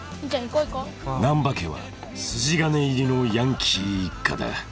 ［難破家は筋金入りのヤンキー一家だ］